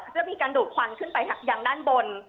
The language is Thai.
จะมีการดูดควันขึ้นไปจากยางด้านบน